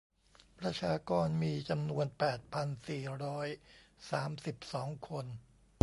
ประชากรมีจำนวนแปดพันสี่ร้อยสามสิบสองคน